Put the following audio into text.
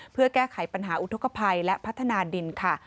เพื่อแก้ไขปัญหาอุทธกภัยและพัฒนาดินค่ะ